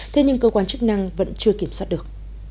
thế nhưng cơ quan chức năng vẫn chưa kiểm soát được